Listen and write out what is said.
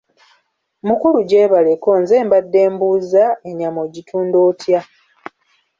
Mukulu gyebaleko nze mbadde mbuuza ennyama ogitunda otya?